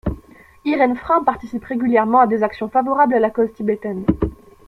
Irène Frain participe régulièrement à des actions favorables à la cause tibétaine.